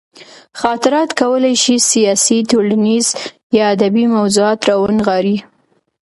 خاطرات کولی شي سیاسي، ټولنیز یا ادبي موضوعات راونغاړي.